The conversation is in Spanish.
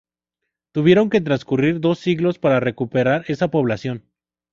Tuvieron que transcurrir dos siglos para recuperar esa población.